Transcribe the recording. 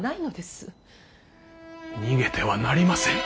逃げてはなりません。